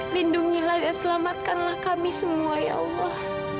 lindungilah dan selamatkanlah kami semua ya allah